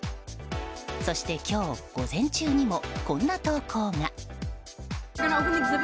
そして今日午前中にもこんな投稿が。